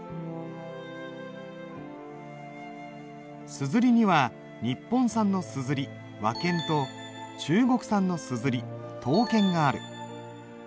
硯には日本産の硯和硯と中国産の硯唐硯がある。